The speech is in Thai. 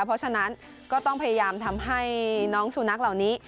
เพราะฉะนั้นก็ต้องพยายามทำให้น้องสุนัขเหล่านี้